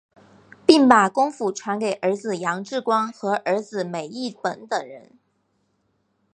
并把功夫传给儿子杨志光和弟子梅益本等人。